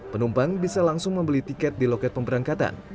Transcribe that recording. penumpang bisa langsung membeli tiket di loket pemberangkatan